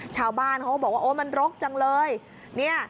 ชาวบ้านเขาก็บอกว่าโอ๊ยมันรกจังเลย